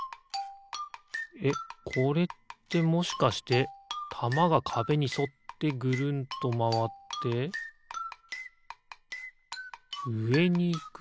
えっこれってもしかしてたまがかべにそってぐるんとまわってうえにいく？